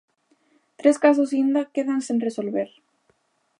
Tres casos inda quedan sen resolver.